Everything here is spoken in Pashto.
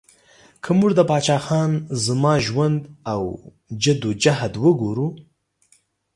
که موږ د پاچا خان زما ژوند او جد او جهد وګورو